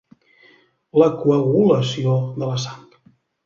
La coagulació de la sang.